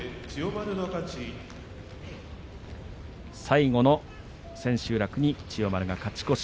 最後の千秋楽に千代丸が勝ち越し。